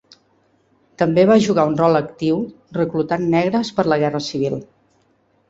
També va jugar un rol actiu reclutant negres per la Guerra Civil.